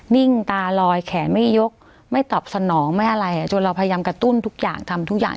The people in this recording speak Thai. นิ่งตาลอยแขนไม่ยกไม่ตอบสนองไม่อะไรจนเราพยายามกระตุ้นทุกอย่างทำทุกอย่าง